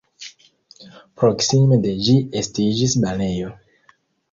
Proksime de ĝi estiĝis banejo.